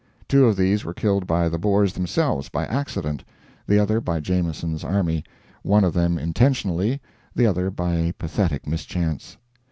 Two of these were killed by the Boers themselves, by accident, the other by Jameson's army one of them intentionally, the other by a pathetic mischance.